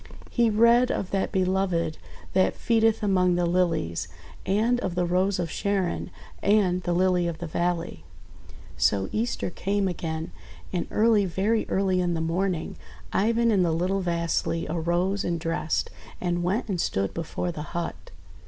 He read of that Be loved that feedeth among the Lilies, and of the Rose of Sharon and the Lily of the Valley. ••««••••• So Easter came again. And early, very early in the morning, Ivan and the little Vasily arose and dressed, and went and stood before the hut.